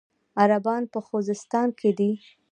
عربان په خوزستان کې دي.